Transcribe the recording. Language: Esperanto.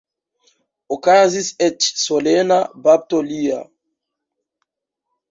Okazis eĉ solena bapto lia.